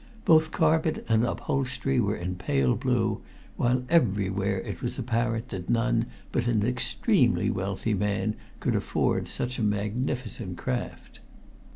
Both carpet and upholstery were in pale blue, while everywhere it was apparent that none but an extremely wealthy man could afford such a magnificent craft.